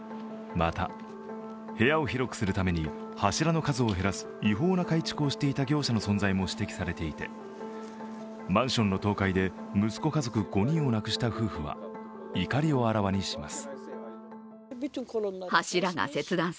また、部屋を広くするために柱の数を減らす違法な改築をしていた業者の存在も指摘されていて、マンションの倒壊で息子家族５人を亡くした夫婦は怒りをあらわにします。